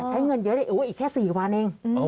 ใช้เงินเยอะอีกแค่๔วันเอง